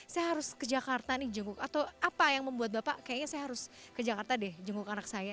saya harus ke jakarta nih jenguk atau apa yang membuat bapak kayaknya saya harus ke jakarta deh jenguk anak saya